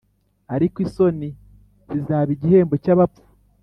ariko isoni zizaba igihembo cy’abapfu